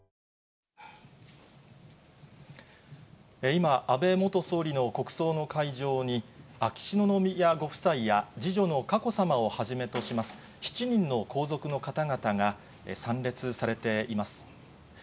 今、安倍元総理の国葬の会場に、秋篠宮ご夫妻や次女の佳子さまをはじめとします、７人の皇族の方々が参列されています。